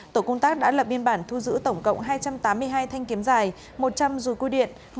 tổ công tác đã lập biên bản thu giữ tổng cộng hai trăm tám mươi hai thanh kiếm dài một trăm linh dùi cui điện